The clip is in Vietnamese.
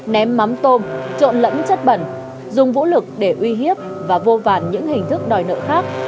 ném mắm tôm trộn lẫn chất bẩn dùng vũ lực để uy hiếp và vô vàn những hình thức đòi nợ khác